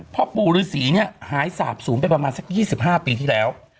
พ่อปู่ฤษีหายสาบสูงไปประมาณสัก๒๕ปีที่แล้ว